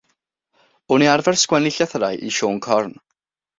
O'n i'n arfer sgwennu llythyrau i Siôn Corn.